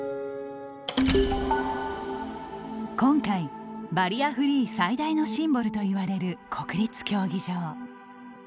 今回、バリアフリー最大のシンボルといわれる国立競技場。